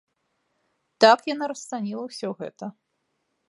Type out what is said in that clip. Так яна расцаніла ўсё гэта.